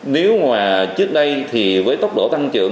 nếu mà trước đây thì với tốc độ tăng trưởng